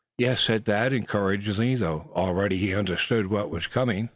"Yes," said Thad, encouragingly, though already he understood what was coming.